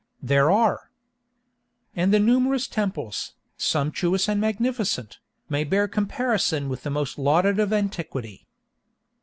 There are. "And the numerous temples, sumptuous and magnificent, may bear comparison with the most lauded of antiquity."